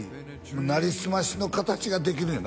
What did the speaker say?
なりすましの形ができるんよね